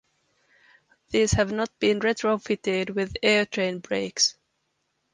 These have not been retrofitted with air train brakes.